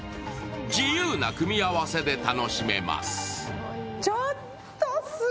自由な組み合わせで楽しめます。